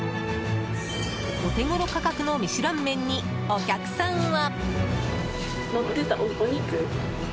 お手ごろ価格のミシュラン麺にお客さんは。